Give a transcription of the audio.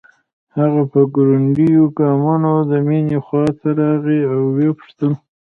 هغه په ګړنديو ګامونو د مينې خواته راغی او وپوښتل